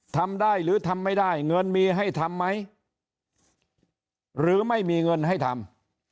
ทำได้หรือทำไม่ได้เงินมีให้ทำไหมหรือไม่มีเงินให้ทำ